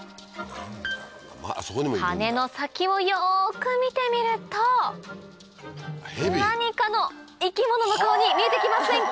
羽の先をよく見てみると何かの生き物の顔に見えてきませんか？